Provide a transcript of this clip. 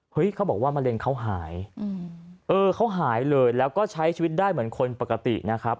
เขาบอกว่ามะเร็งเขาหายเออเขาหายเลยแล้วก็ใช้ชีวิตได้เหมือนคนปกตินะครับ